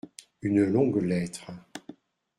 Une longue lettre.